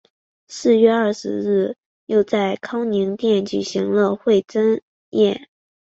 四月二十日又在康宁殿举行了会酌宴。